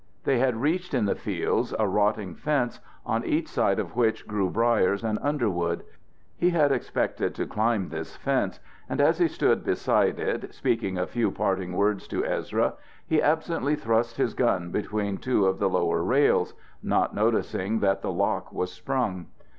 They had reached in the fields a rotting fence, on each side of which grew briers and underwood. He had expected to climb this fence, and as he stood beside it speaking a few parting words to Ezra he absently thrust his gun between two of the lower rails, not noticing that the lock was sprung.